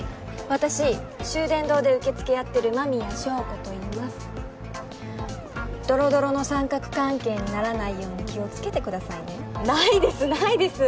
私秀伝堂で受付やってる麻宮祥子といいますドロドロの三角関係にならないように気をつけてくださいねないですないです